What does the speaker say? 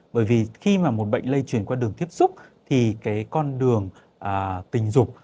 bởi vì khi mà một bệnh lây chuyển qua đường tiếp xúc thì cái con đường tình dục